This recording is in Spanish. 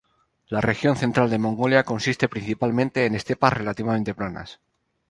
La región central de Mongolia consiste principalmente en estepas relativamente planas.